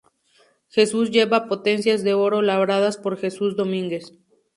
Jesús lleva potencias de oro labradas por Jesús Domínguez.